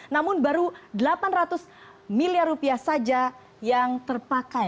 namun baru delapan ratus miliar rupiah saja yang terpakai